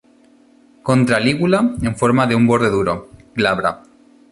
Contra-lígula en forma de un borde duro, glabra.